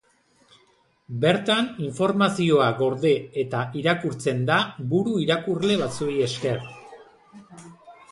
Bertan informazioa gorde eta irakurtzen da buru irakurle batzuei esker.